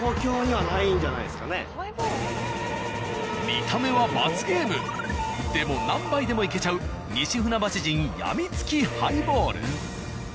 見た目は罰ゲームでも何杯でもいけちゃう西船橋人ヤミツキハイボール。